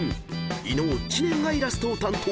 ［伊野尾知念がイラストを担当］